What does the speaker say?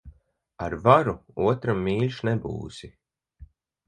Ar varu otram mīļš nebūsi.